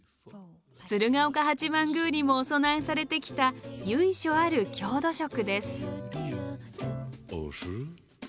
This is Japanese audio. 鶴岡八幡宮にもお供えされてきた由緒ある郷土食です。